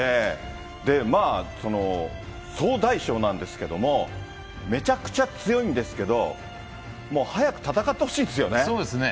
で、まあ、総大将なんですけれども、めちゃくちゃ強いんですけど、そうですね。